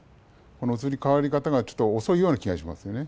この移り変わり方が遅いような気がしますね。